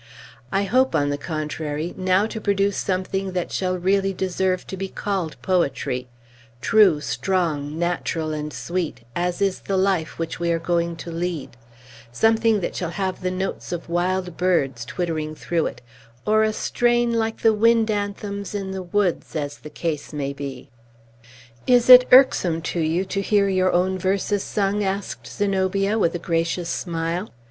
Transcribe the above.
"I hope, on the contrary, now to produce something that shall really deserve to be called poetry, true, strong, natural, and sweet, as is the life which we are going to lead, something that shall have the notes of wild birds twittering through it, or a strain like the wind anthems in the woods, as the case may be." "Is it irksome to you to hear your own verses sung?" asked Zenobia, with a gracious smile.